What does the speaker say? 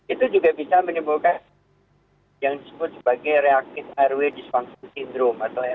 itu juga bisa menimbulkan yang disebut sebagai reactive airway dysfunction syndrome atau radn